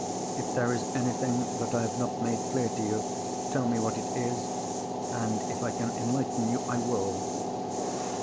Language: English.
If there is anything that I have not made clear to you, tell me what it is—and if I can enlighten you, I will."